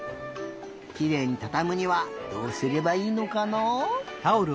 きれいにたたむにはどうすればいいのかな？